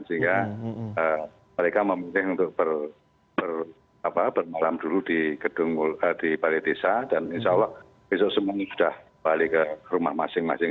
sehingga mereka memilih untuk bermalam dulu di balai desa dan insya allah besok semuanya sudah balik ke rumah masing masing